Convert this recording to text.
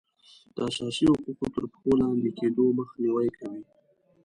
د اساسي حقوقو تر پښو لاندې کیدو مخنیوی کوي.